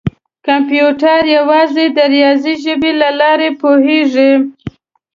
کمپیوټر یوازې د ریاضي ژبې له لارې پوهېږي.